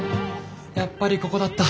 やっぱりここだった。